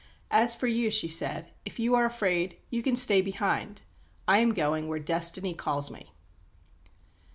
"As for you," she said, "if you are afraid, you can stay behind. I am going where Destiny calls me."